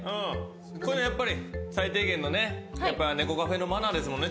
これがやっぱり最低限のネコカフェのマナーですもんね